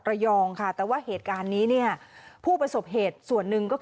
ระยองค่ะแต่ว่าเหตุการณ์นี้เนี่ยผู้ประสบเหตุส่วนหนึ่งก็คือ